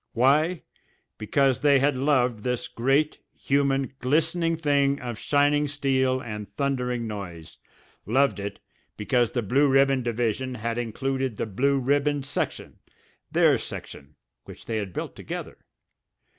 Why? Because they had loved this great, human, glistening thing of shining steel and thundering noise, loved it because the Blue Ribbon division had included the Blue Ribbon section, their section, which they had built together.